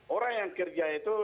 orang yang kerja itu